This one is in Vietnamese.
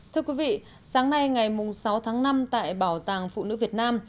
thưa quý vị sáng nay ngày sáu tháng năm tại bảo tàng phụ nữ việt nam